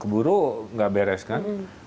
keburu gak beres kan